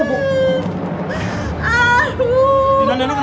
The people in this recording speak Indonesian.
ayah tolong nenek ya